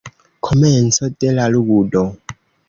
Komenco de la ludo.